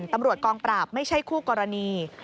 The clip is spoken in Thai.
ตำรวจกองปราบไม่ใช่คู่กรณี